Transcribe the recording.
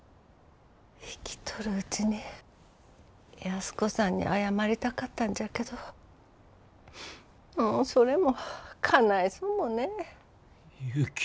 生きとるうちに安子さんに謝りたかったんじゃけどもうそれもかないそうもねえ。